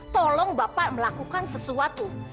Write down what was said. tolong bapak melakukan sesuatu